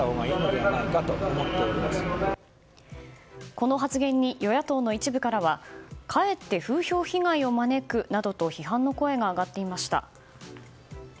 この発言に与野党の一部からはかえって風評被害を招くなどと批判の声が上がっていました。